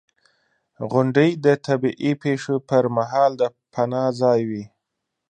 • غونډۍ د طبعي پېښو پر مهال د پناه ځای وي.